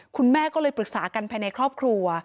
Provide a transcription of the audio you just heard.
คุณแม่ก็เลยปรึกษากันภายในครอบครัว